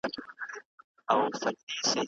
هغه مشر چي زړور وي سياست يې بريالی وي.